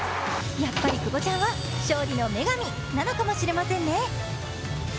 やっぱり久保ちゃんは勝利の女神なのかもしれませんね。